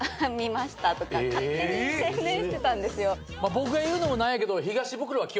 僕が言うのも何やけど。